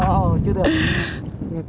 ô chưa được không hiểu sao mà